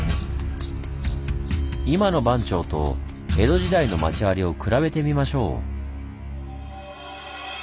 今の番町と江戸時代の町割を比べてみましょう。